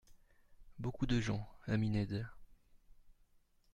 —Beaucoup de gens, ami Ned.